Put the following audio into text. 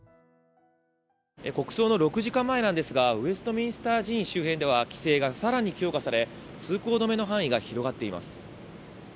国葬の６時間前なんですが、ウェストミンスター寺院周辺では、規制がさらに強化され、通行止めの範囲が広がっています。